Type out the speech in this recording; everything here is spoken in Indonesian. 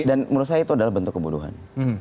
dan menurut saya itu adalah bentuk kebodohan